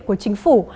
của chính phủ